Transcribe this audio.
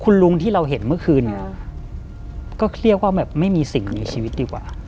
คุณลุงที่เราเห็นเมื่อคืนเนี่ยก็เครียดว่าแบบไม่มีสิ่งมีชีวิตดีกว่า